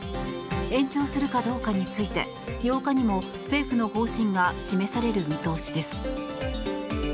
延長するかどうかについて８日にも政府の方針が示される見通しです。